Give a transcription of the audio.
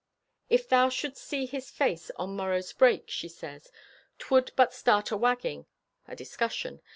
"If thou should'st see His face on morrow's break," she says, "'twould but start a wagging," a discussion.